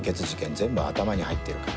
全部頭に入ってるから。